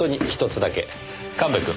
神戸くん。